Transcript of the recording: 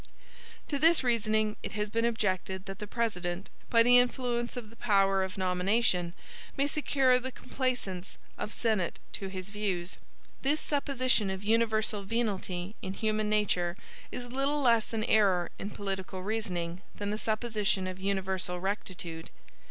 To this reasoning it has been objected that the President, by the influence of the power of nomination, may secure the complaisance of the Senate to his views. This supposition of universal venalty in human nature is little less an error in political reasoning, than the supposition of universal rectitude.